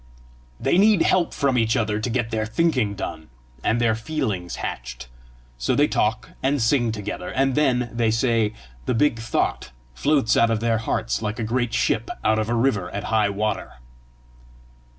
"They need help from each other to get their thinking done, and their feelings hatched, so they talk and sing together; and then, they say, the big thought floats out of their hearts like a great ship out of the river at high water."